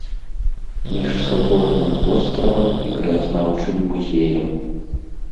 Між саборным востравам і краязнаўчым музеем.